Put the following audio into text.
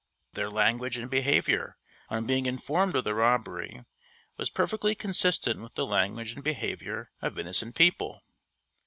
Their language and behavior on being informed of the robbery was perfectly consistent with the language and behavior of innocent people.